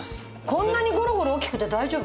こんなにゴロゴロ大きくて大丈夫？